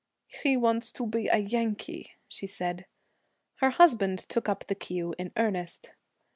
'He wants to be a Yankee,' she said. Her husband took up the cue in earnest.